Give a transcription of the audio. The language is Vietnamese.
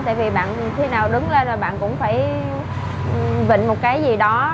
tại vì bạn khi nào đứng lên là bạn cũng phải vịnh một cái gì đó